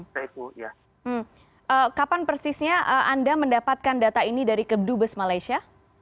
kapan persisnya anda mendapatkan data ini dari kedubes malaysia